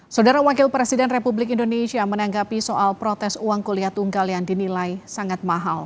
saudara wakil presiden republik indonesia menanggapi soal protes uang kuliah tunggal yang dinilai sangat mahal